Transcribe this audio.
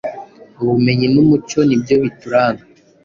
Ubumenyi n’Umuco nibyo bituranga